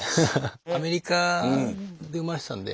アメリカで生まれてたんで。